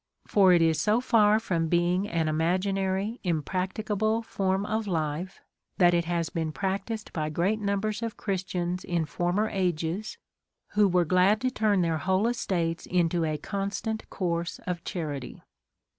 For it is so far from be •j<. »;/'^^< ''ing an imaginary impractible form of life, that it has , t /,*;; been practised by great numbers of Christians in for mer ages, who were glad to turn their whole estates Into a constant course of charity.